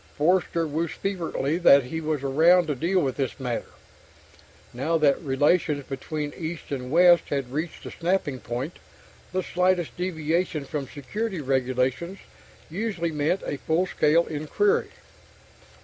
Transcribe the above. Forster wished fervently that he was around to deal with this matter. Now that relations between East and West had reached the snapping point, the slightest deviation from security regulations usually meant a full scale inquiry.